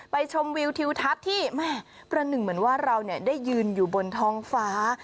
ชมวิวทิวทัศน์ที่แม่ประหนึ่งเหมือนว่าเราได้ยืนอยู่บนท้องฟ้า